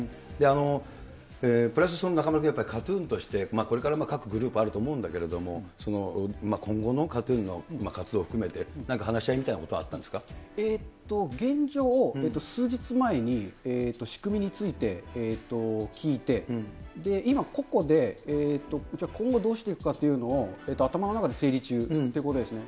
プラス中丸君、ＫＡＴ−ＴＵＮとしてこれから各グループあると思うんだけれども、今後のＫＡＴ−ＴＵＮの活動を含めて、なんか話し合いみたいなこ現状、数日前に仕組みについて聞いて、今、個々で、じゃあ今後どうしていくかっていうのを頭の中で整理中ということですね。